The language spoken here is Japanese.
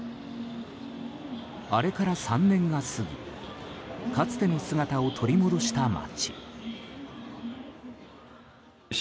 あれから３年が過ぎかつての姿を取り戻した街。